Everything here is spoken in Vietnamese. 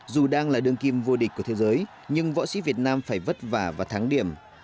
dù đang là đương kim vô địch của thế giới nhưng võ sĩ việt nam phải vất vả và thắng điểm